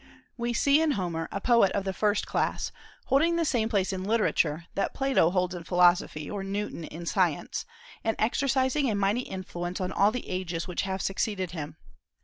We see in Homer a poet of the first class, holding the same place in literature that Plato holds in philosophy or Newton in science, and exercising a mighty influence on all the ages which have succeeded him.